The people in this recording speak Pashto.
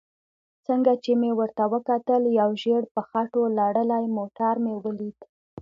څنګه چې مې ورته وکتل یو ژېړ په خټو لړلی موټر مې ولید.